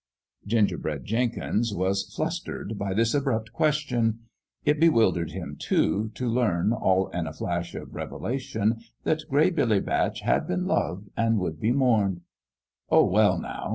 " Gingerbread Jenkins was flustered by this abrupt question. It bewildered him, too, to learn, all in a flash of revelation, that Gray Billy Batch had been loved and would be mourned. "Oh, well, now!"